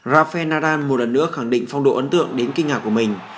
rafael naradan một lần nữa khẳng định phong độ ấn tượng đến kinh ngạc của mình